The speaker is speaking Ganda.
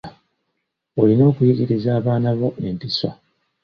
Olina okuyigiriza abaana bo empisa.